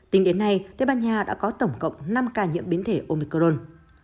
tính đến nay tây ban nha đã có tổng cộng năm ca nhiễm biến thể omicron